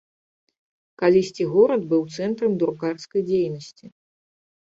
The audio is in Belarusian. Калісьці горад быў цэнтрам друкарскай дзейнасці.